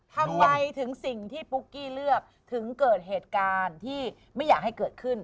ทำไมถึงสิ่งที่ปุ๊กกี้เลือกถึงเกิดเหตุการณ์ที่ไม่อยากให้เกิดขึ้น